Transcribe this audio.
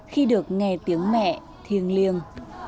khi được nghe tiếng mẹ thiêng liêng